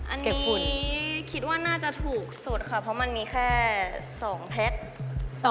อันนี้คิดว่าน่าจะถูกสุดค่ะเพราะมันมีแค่๒แพ็ค